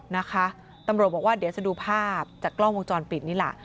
นะคะตำรวจบอกว่าเดี๋ยวจะดูภาพจากกล้องวงจรปิดนี่แหละ